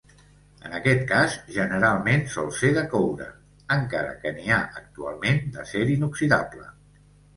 En aquest cas, generalment sol ser de coure, encara que n'hi ha actualment d'acer inoxidable.